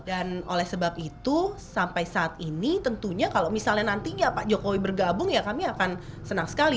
dan oleh sebab itu sampai saat ini tentunya kalau misalnya nantinya pak jokowi bergabung ya kami akan senang sekali